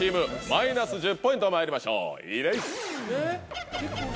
マイナス１０ポイントまいりましょう。